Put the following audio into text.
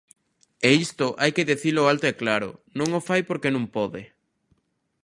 E isto hai que dicilo alto e claro: non o fai porque non pode.